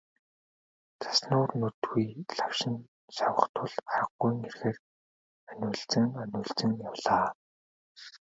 Цас нүүр нүдгүй лавшин шавах тул аргагүйн эрхээр анивалзан онилзон явлаа.